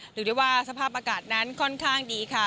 หรือได้ว่าสภาพอากาศนั้นค่อนข้างดีค่ะ